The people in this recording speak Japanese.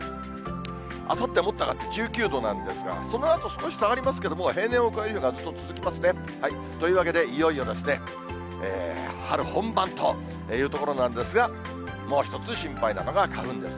あさって、もっと上がって１９度なんですが、そのあと、少し下がりますけれども、もう平年を超える日がずっと続きますね。というわけで、いよいよですね、春本番というところなんですが、もう１つ、心配なのが花粉です。